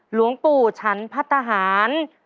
หลวงปู่ฉันพัฒนาหาร